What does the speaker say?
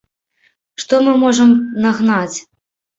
Што мы можам нагнаць?